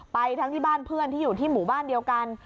ไปทั้งที่บ้านเพื่อนที่อยู่ที่หมู่บ้านเดียวกัน